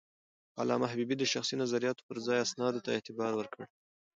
علامه حبيبي د شخصي نظریاتو پر ځای اسنادو ته اعتبار ورکړی.